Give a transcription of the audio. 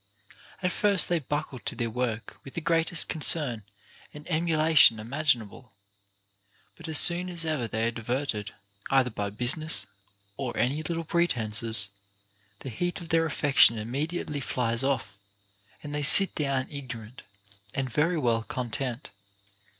At first, they buckle to their work with the greatest concern and emulation imaginable ; but as soon as ever they are diverted, either by business or any little pre tences, the heat of their affection immediately flies off, and they sit down ignorant and very well content.